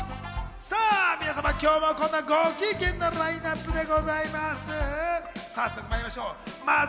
今日も御機嫌なラインナップでございます。